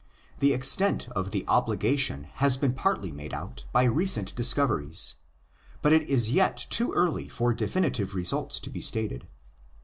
The extent of the obligation has been partly made out by recent discoveries, but it is yet too early for definitive results to be stated.